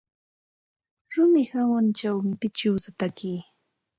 Rumi hawanćhawmi pichiwsa taki.